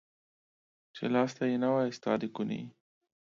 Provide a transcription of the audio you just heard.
چي لاستى يې نه واى ستا د کوني.